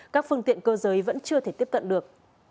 các phương tiện cơ giới vẫn chưa thể tiếp cận được